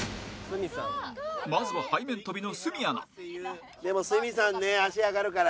まずは背面跳びの鷲見アナでも鷲見さんね足上がるから。